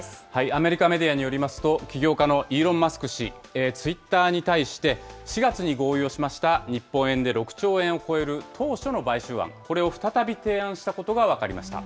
アメリカメディアによりますと、起業家のイーロン・マスク氏、ツイッターに対して、４月に合意をしました日本円で６兆円を超える当初の買収案、これを再び提案したことが分かりました。